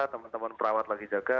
teman teman perawat lagi jaga